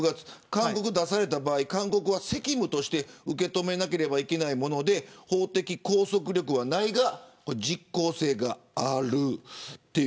勧告が出た場合、責務として受け止めなければいけないもので法的拘束力はないが実効性がある。